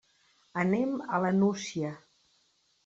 Anem a la Nucia.